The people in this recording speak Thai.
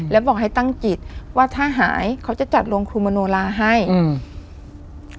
แล้วบอกให้ตั้งจิตว่าถ้าหายเขาจะจัดโรงครูมโนลาให้อืม